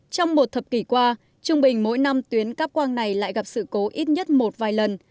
trong một thập kỷ qua trung bình mỗi năm tuyến cắp quang này lại gặp sự cố ít nhất một vài lần